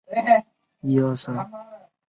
沙尔蒂扎克人口变化图示